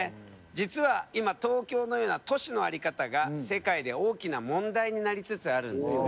実は今東京のような都市の在り方が世界で大きな問題になりつつあるんだよね。